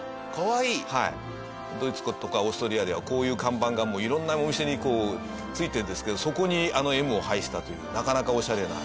ドイツとかオーストリアではこういう看板がもういろんなお店にこう付いてるんですけどそこにあの「Ｍ」を配したというなかなかオシャレな。